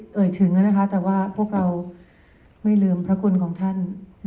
เกิดถึงแล้วนะคะแต่ว่าพวกเราไม่ลืมพระคุณของท่าน